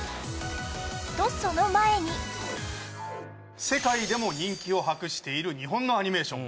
と、その前に世界でも人気を博している日本のアニメーション。